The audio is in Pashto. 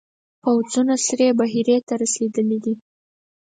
پوځونه سرې بحیرې ته رسېدلي دي.